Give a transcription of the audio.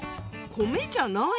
米じゃない。